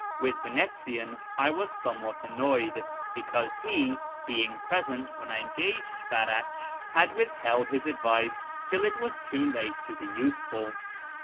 With Vanetzian I was somewhat annoyed, because he, being present when I engaged Farach, had withheld liis advice till it was too late to be useful.